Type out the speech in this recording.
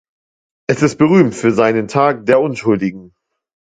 Es ist berühmt für seinen 'Tag der Unschuldigen'.